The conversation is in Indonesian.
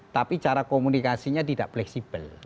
tapi cara komunikasinya tidak fleksibel